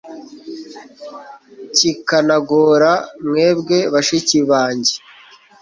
kikanagora mwebwe bashiki bange.